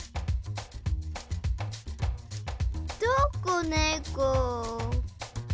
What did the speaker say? どこねこ？